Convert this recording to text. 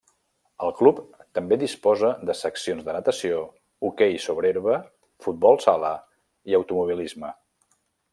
El club també disposa de seccions de Natació, Hoquei sobre herba, Futbol sala i Automobilisme.